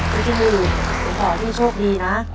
พี่จิ้งหลีดสมมติที่โชคดีนะ